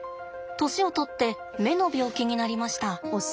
年をとって目の病気になりました。